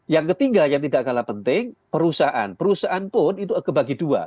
yang ketiga yang tidak kalah penting perusahaan perusahaan pun itu kebagi dua